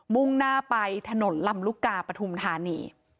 มุ่งหน้าไปถนนลำลูกกาปฐุมธานี